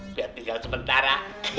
biar tinggal sementara